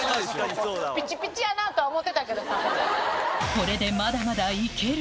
これでまだまだいける